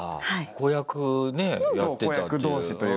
子役ねやってたっていう。